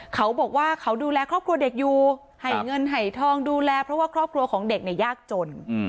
เขาบอกว่าเขาดูแลครอบครัวเด็กอยู่ให้เงินให้ทองดูแลเพราะว่าครอบครัวของเด็กเนี่ยยากจน